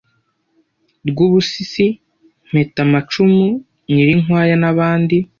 Rwubusisi, Mpetamacumu, Nyirinkwaya n’abandi.